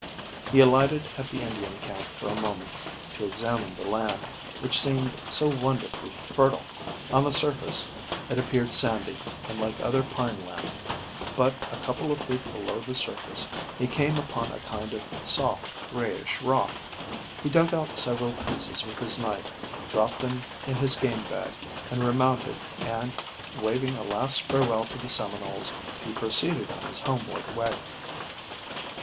He alighted at the Indian camp for a moment, to examine the land, which seemed so wonderfully fertile. On the surface it appeared sandy and like other pine land, but a couple of feet below the surface he came upon a kind of soft, grayish rock. He dug out several pieces with his knife, dropped them in his game bag, and, remounting and waving a last farewell to the Seminoles, he proceeded on his homeward way.